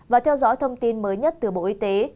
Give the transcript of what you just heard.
và theo dõi thông tin mới nhất từ bộ y tế